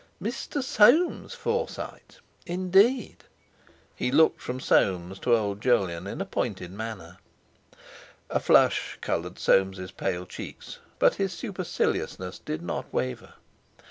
Mr. Soames Forsyte? Indeed!" He looked from Soames to old Jolyon in a pointed manner. A flush coloured Soames's pale cheeks, but his superciliousness did not waver.